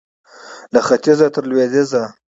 له ختیځه تر لوېدیځه